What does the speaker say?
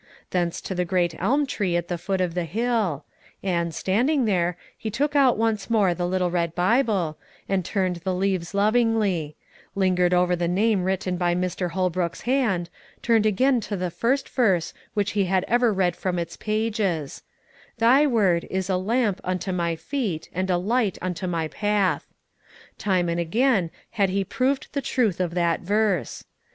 Thence to the great elm tree at the foot of the hill; and, standing there, he took out once more the little red Bible, and turned the leaves lovingly; lingered over the name written by Mr. Holbrook's hand, turned again to the first verse which he had ever read from its pages: "Thy word is a lamp unto my feet, and a light unto my path." Time and again had he proved the truth of that verse.